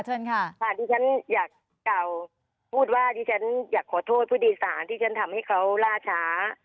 ที่ฉันอยากกล่าวพูดว่าที่ฉันอยากขอโทษผู้โดยสารที่ฉันทำให้เขาร่าช้า